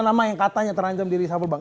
tiga nama yang katanya terancam di resuffle bang